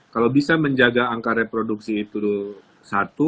kalau bisa menjaga angka reproduksi itu satu atau dua